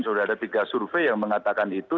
sudah ada tiga survei yang mengatakan itu